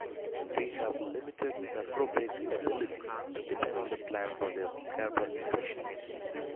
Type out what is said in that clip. They have limited saprobic ability and depend on the plant for their carbon nutrition.